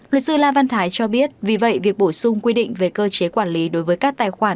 luật sư la văn thái cho biết vì vậy việc bổ sung quy định về cơ chế quản lý đối với các tài khoản